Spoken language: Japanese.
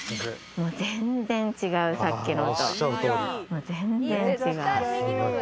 全然違うさっきのと全然違う。